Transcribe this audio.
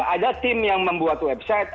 ada tim yang membuat website